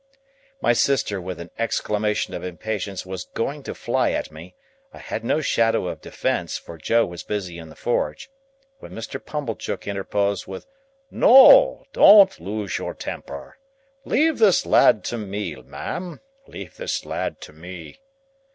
My sister with an exclamation of impatience was going to fly at me,—I had no shadow of defence, for Joe was busy in the forge,—when Mr. Pumblechook interposed with "No! Don't lose your temper. Leave this lad to me, ma'am; leave this lad to me."